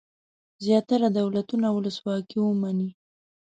زیاتره دولتونه ولسواکي ومني.